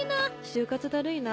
就活だるいな。